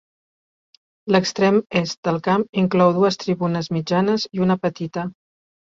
L'extrem est del camp inclou dues tribunes mitjanes i una petita.